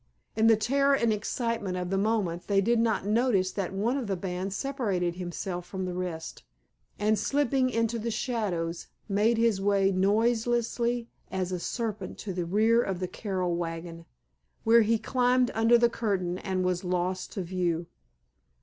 In the terror and excitement of the moment they did not notice that one of the band separated himself from the rest, and slipping into the shadows made his way noiselessly as a serpent to the rear of the Carroll wagon, where he climbed under the curtain and was lost to view.